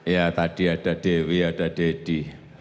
ya tadi ada dewi ada deddy